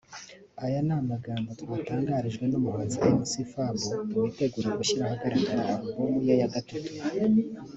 aya ni amagambo twatangarijwe n’Umuhanzi Mc Fab witegura gushyira ahagaragara album ye ya gatatu